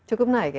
cukup naik ya